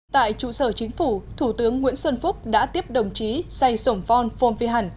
tại trụ sở chính phủ thủ tướng nguyễn xuân phúc đã tiếp đồng chí say sổm von phong phi hẳn